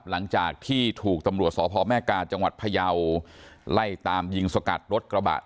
หลังจากที่ถูกตำรวจสพแม่กาจังหวัดพยาวไล่ตามยิงสกัดรถกระบะ